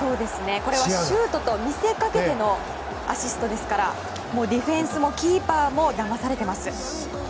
これはシュートと見せかけてのアシストですからディフェンスもキーパーもだまされています。